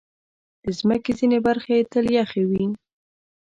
د مځکې ځینې برخې تل یخې وي.